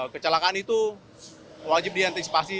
kecelakaan itu wajib diantisipasi